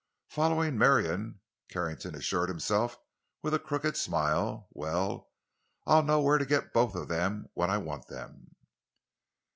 "Following Marion," Carrington assured himself, with a crooked smile. "Well, I'll know where to get both of them when I want them."